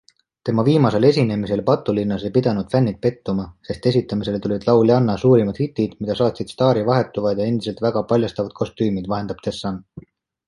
Tema viimasel esinemisel patulinnas ei pidanud fännid pettuma, sest esitamisele tulid lauljanna suurimad hitid, mida saatsid staari vahetuvad ja endiselt väga paljastavad kostüümid, vahendab The Sun.